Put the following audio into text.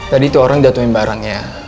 tadi tuh orang jatuhin barangnya